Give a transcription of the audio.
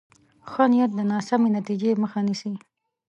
ښه نیت د ناسمې نتیجې مخه نیسي.